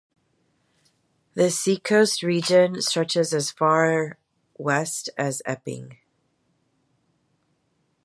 The Seacoast Region stretches as far west as Epping.